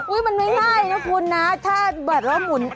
อุ๊ยมันไม่ง่ายนะคุณนะถ้าแบบเราหมุนเอวเอวพิ้วแบบนี้